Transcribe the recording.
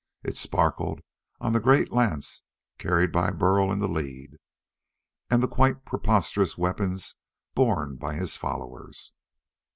It sparkled on the great lance carried by Burl in the lead, and the quite preposterous weapons borne by his followers.